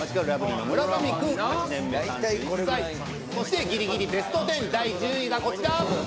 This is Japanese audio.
そしてぎりぎりベスト１０第１０位がこちら。